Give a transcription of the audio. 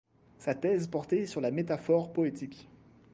Sa thèse portait sur la métaphore poétique.